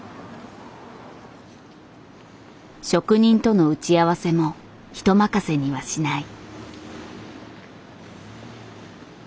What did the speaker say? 職人との打ち合わせも人任せにはしない。